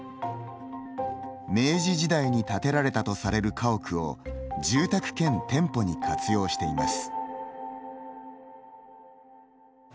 明治時代に建てられたとされる家屋を住宅兼店舗に活用しています。